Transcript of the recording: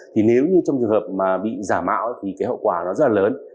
thì nếu như trong trường hợp mà bị giả mạo thì cái hậu quả nó rất là lớn